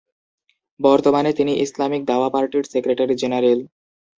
বর্তমানে তিনি Islamic Dawa পার্টির সেক্রেটারি জেনারেল।